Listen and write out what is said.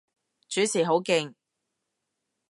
主持好勁